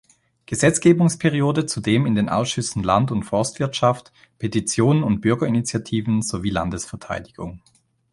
Gesetzgebungsperiode zudem in den Ausschüssen Land- und Forstwirtschaft, Petitionen und Bürgerinitiativen sowie Landesverteidigung.